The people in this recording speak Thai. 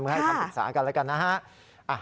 ให้คำติดสารกันแล้วกันนะฮะ